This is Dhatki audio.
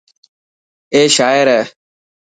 اي شاعر هي.